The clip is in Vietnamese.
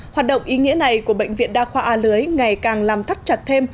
hoạt động ý nghĩa này của bệnh viện đa khoa a lưới ngày càng làm thắt chặt thêm